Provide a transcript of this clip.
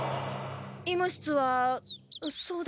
医務室はそうだ。